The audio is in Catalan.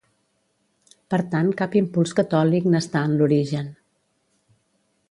Per tant cap impuls catòlic n’està en l’origen.